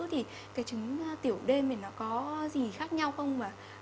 thì trứng tiểu đêm có gì khác nhau không